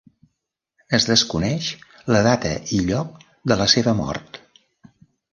Es desconeix la data i lloc de la seva mort.